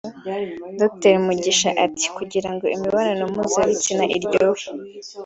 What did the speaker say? Dr Mugisha ati “ Kugirango imibonano mpuzabitsina iryohe